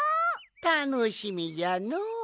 たのしみじゃのお。